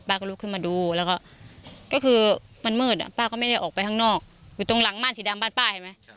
ก็ลุกขึ้นมาดูแล้วก็คือมันมืดป้าก็ไม่ได้ออกไปข้างนอกอยู่ตรงหลังม่านสีดำบ้านป้าเห็นไหม